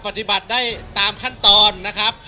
ปฏิบัติได้ตามขั้นตอนนะครับ